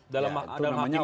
dalam hakim itu